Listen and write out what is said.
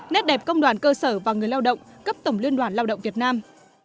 nét đẹp công đoàn cơ sở và người lao động cấp tổng liên đoàn lao động việt nam